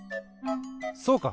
そうか！